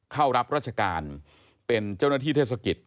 เข้ารับราชการเป็นเจ้าหน้าที่เทศกิจ